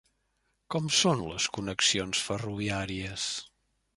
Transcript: Com són les connexions ferroviàries?